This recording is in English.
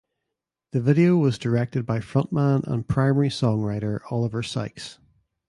The video was directed by frontman and primary songwriter Oliver Sykes.